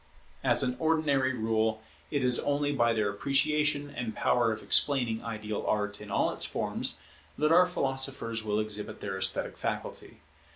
As an ordinary rule, it is only by their appreciation and power of explaining ideal Art in all its forms that our philosophers will exhibit their esthetic faculty.